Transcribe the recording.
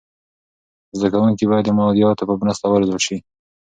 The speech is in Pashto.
زده کونکي باید د مادیاتو په مرسته و روزل سي.